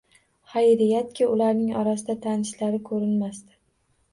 Xayriyatki ularning orasida tanishlari ko`rinmasdi